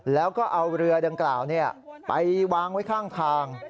แล้วก็เอาเรือดังกล่าวไปวางไว้ข้างทาง